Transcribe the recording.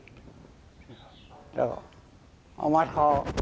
ไปเอามัดคอ